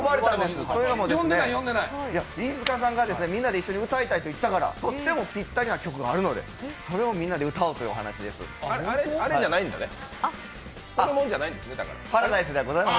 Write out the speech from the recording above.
というのも飯塚さんがみんなで歌いたいと言ったからとってもぴったりな曲があるのでそれをみんなで歌おうという話でございます。